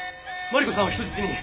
マリコさんを人質に。